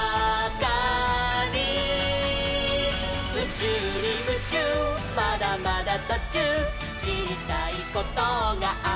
「うちゅうにムチューまだまだとちゅう」「しりたいことがあふれる」